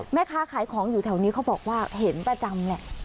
แม่ค้าขายของอยู่แถวนี้เขาบอกว่าเห็นประจำแหละ